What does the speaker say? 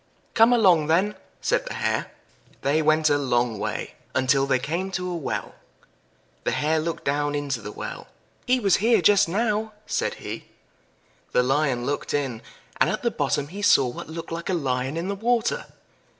"Come along then," said the Hare. They went a long way, until they came to a well. The Hare looked down into the well. "He was here just now," said he. The Lion looked in, and at the bottom he saw what looked like a Lion in the water.